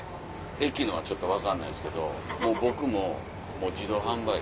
駅のはちょっと分かんないですけどもう僕も。